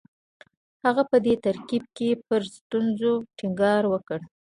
هغه په دې ترکیب کې پر ستونزو ټینګار وکړ